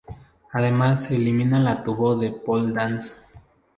Además se elimina la tubo de pole dance.